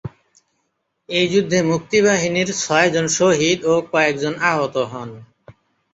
এই যুদ্ধে মুক্তিবাহিনীর ছয়জন শহীদ ও কয়েকজন আহত হন।